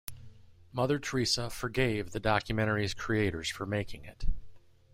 Mother Teresa "forgave" the documentary's creators for making it.